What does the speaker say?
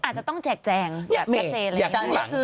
อาจจะต้องแจกแจงแบบชัดเจนอะไรอย่างนี้